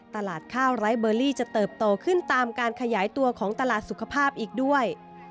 ตลาดข้าวไร้เบอร์ลี่จะเติบโตขึ้นตามการขยายตัวของตลาดสุขภาพอีกด้วย